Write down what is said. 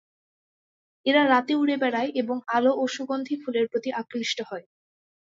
এরা রাতে উড়ে বেড়ায় এবং আলো ও সুগন্ধি ফুলের প্রতি আকৃষ্ট হয়।